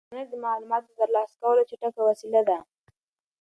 انټرنيټ د معلوماتو د ترلاسه کولو چټکه وسیله ده.